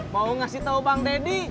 mau ngasih tau bang deddy